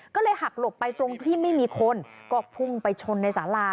ก็เลยหักหลบไปตรงที่ไม่มีคนก็พุ่งไปชนในสารา